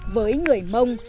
với người mông